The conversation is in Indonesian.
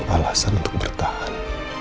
alasan untuk bertahan